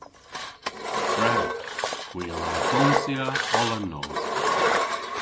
Gwrewgh. Hwi a wra donsya oll an nos.